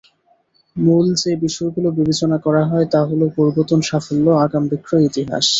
মূল যে বিষয়গুলো বিবেচনা করা হয় তা হলো পূর্বতন সাফল্য, আগাম বিক্রয় ইতিহাস।